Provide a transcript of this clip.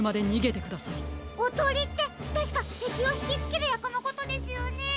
おとりってたしかてきをひきつけるやくのことですよね？